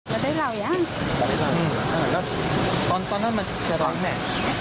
แล้วได้เล่าอย่างั้นอืมตอนนั้นมันจะเล่าแม่